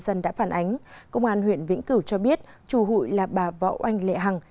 ảnh công an huyện vĩnh cửu cho biết chủ hội là bà võ anh lệ hằng